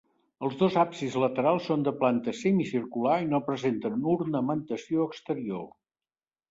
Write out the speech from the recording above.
Els dos absis laterals són de planta semicircular i no presenten ornamentació exterior.